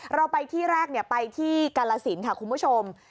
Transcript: เราไปที่แรกเนี่ยไปที่กรรศิลป์ค่ะคุณผู้ชม